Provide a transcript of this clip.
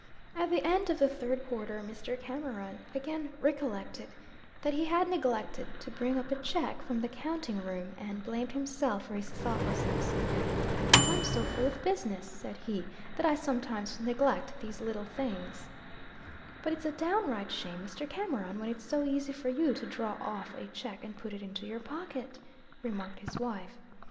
At the end of the third quarter, Mr. Cameron again recollected that he had neglected to bring up a check from the counting room, and blamed himself for his thoughtlessness. "I am so full of business," said he, "that I sometimes neglect these little things." "But it's a downright shame, Mr. Cameron, when it's so easy for you to draw off a check and put it into your pocket," remarked his wife.